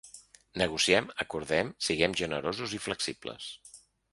Negociem, acordem, siguem generosos i flexibles.